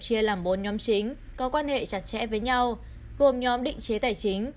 chia làm bốn nhóm chính có quan hệ chặt chẽ với nhau gồm nhóm định chế tài chính